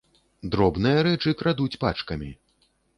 Дробныя рэчы крадуць пачкамі.